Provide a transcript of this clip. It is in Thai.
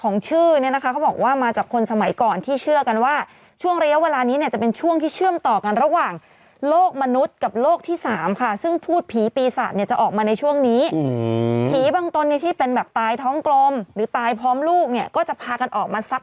เงี้ยไม่รู้แล้วแล้วประเด็นที่ว่าจะเป็นโคทรงโคทรกหรอฮะอ๋อไม่